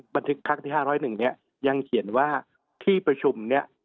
บันทึกครั้งที่ห้าร้อยหนึ่งเนี้ยยังเขียนว่าที่ประชุมเนี้ย